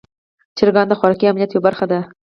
چرګان د خوراکي امنیت یوه برخه دي.